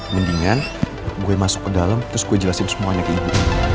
mendingan gue masuk ke dalam terus gue jelasin semuanya ke ibu